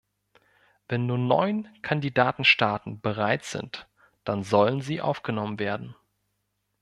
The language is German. Wenn nur neun Kandidatenstaaten bereit sind, dann sollen sie aufgenommen werden.